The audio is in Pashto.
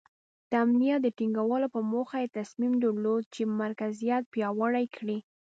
د امنیت د ټینګولو په موخه یې تصمیم درلود چې مرکزیت پیاوړی کړي.